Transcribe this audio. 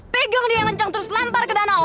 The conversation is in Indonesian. pegang dia yang kenceng terus lampar ke danau